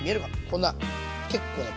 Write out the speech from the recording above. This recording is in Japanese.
こんな結構ね